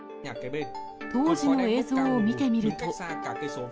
当時の映像を見てみると。